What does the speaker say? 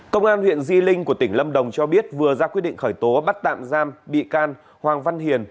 công an huyện di linh của tỉnh lâm đồng cho biết vừa ra quyết định khởi tố bắt tạm giam bị can hoàng văn hiền